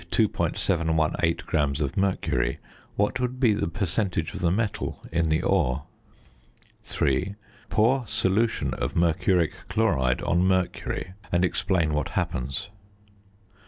718 grams of mercury, what would be the percentage of the metal in the ore? 3. Pour solution of mercuric chloride on mercury and explain what happens.